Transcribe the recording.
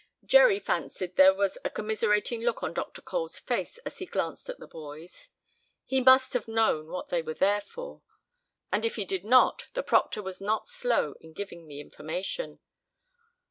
Jerry fancied there was a commiserating look on Dr. Cole's face as he glanced at the boys. He must have known what they were there for, and if he did not the proctor was not slow in giving the information.